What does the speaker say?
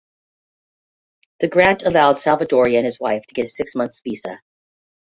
The grant allowed Salvadori and his wife to get a six months visa.